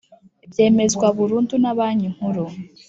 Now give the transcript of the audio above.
Byemezwa burundu na Banki Nkuru